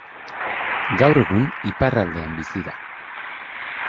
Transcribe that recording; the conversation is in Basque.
Gaur egun iparraldean bizi da.